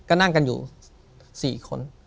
ก็นั่งกันอยู่๔คน